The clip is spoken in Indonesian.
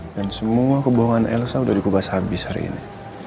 dan semua kebohongan elsa udah dikubas habis hari ini